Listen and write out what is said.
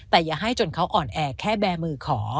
แต่อย่าให้จนเขาอ่อนแอแค่แบร์มือขอ